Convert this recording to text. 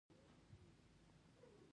خپله مور سړي ته زیاته له هر چا ده.